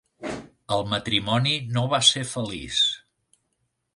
El matrimoni no va ser feliç.